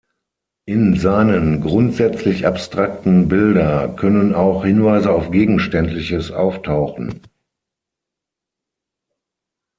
In seinen grundsätzlich abstrakten Bilder können auch Hinweise auf Gegenständliches auftauchen.